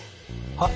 はっ？